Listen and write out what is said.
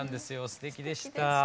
すてきでした。